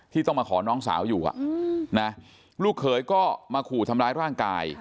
ต้องมาขอน้องสาวอยู่นะลูกเขยก็มาขู่ทำร้ายร่างกาย